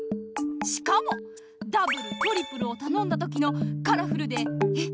しかもダブルトリプルをたのんだときのカラフルでえっ？